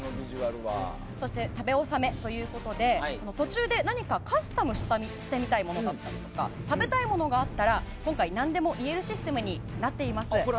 食べ納めということで途中で何かカスタムしてみたいものだとか食べたいものがあったら今回、何でも言えるシステムになっています。